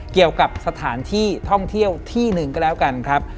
เกี่ยวกับสถานที่ท่องเที่ยวที่หนึ่งก็แล้วกันครับ